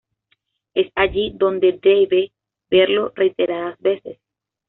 Es allí donde 'debe' verlo reiteradas veces.